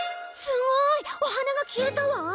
すごい！お花が消えたわ。